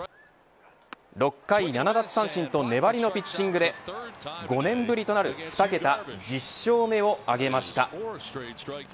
６回７奪三振と粘りのピッチングで５年ぶりとなる２桁１０勝目を挙げました。